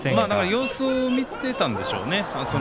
様子を見ていたんでしょうね。